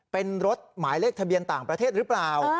เป็นรถหมายเลขทะเบียนต่างประเทศหรือเปล่า